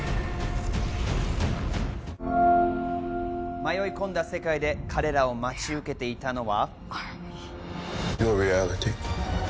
迷い込んだ世界で彼らを待ち受けていたのは。